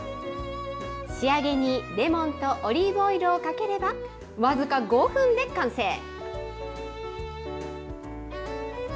仕上げにレモンとオリーブオイルをかければ、僅か５分で完成。